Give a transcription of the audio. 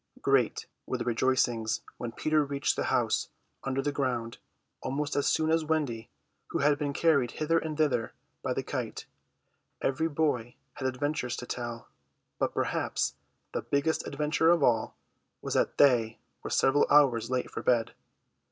Great were the rejoicings when Peter reached the home under the ground almost as soon as Wendy, who had been carried hither and thither by the kite. Every boy had adventures to tell; but perhaps the biggest adventure of all was that they were several hours late for bed.